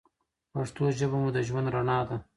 پښتو ژبه مو د ژوند رڼا ده.